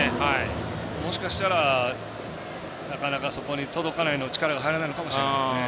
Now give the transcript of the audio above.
もしかしたら、なかなかそこに届かない力が入らないのかもしれませんね。